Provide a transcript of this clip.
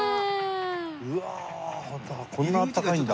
うわこんなあったかいんだ。